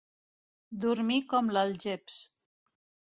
Dormir com l'algeps.